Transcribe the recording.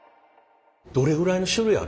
どれぐらいの種類あるんですか？